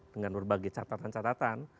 dengan berbagai catatan catatan